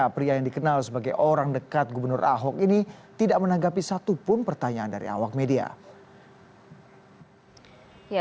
pria yang dikenal sebagai orang dekat gubernur ahok ini tidak menanggapi satupun pertanyaan dari awak media